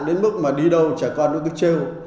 lúc mà đi đâu trẻ con nó cứ trêu